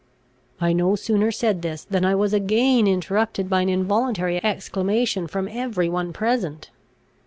I no sooner said this, than I was again interrupted by an involuntary exclamation from every one present.